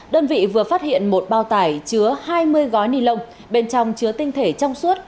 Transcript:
đơn vị vừa phát hiện một bao tải chứa hai mươi gói ni lông bên trong chứa tinh thể trong suốt